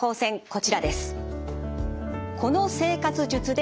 こちらです。